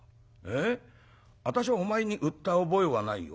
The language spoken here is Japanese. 『私はお前に売った覚えはないよ。